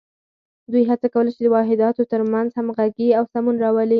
دوی هڅه کوله چې د واحداتو تر منځ همغږي او سمون راولي.